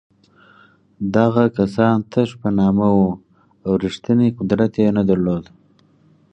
دغه کسان تش په نامه وو او رښتینی قدرت یې نه درلود.